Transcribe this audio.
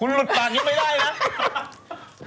คุณพูดอย่างนี้ไม่ได้นะ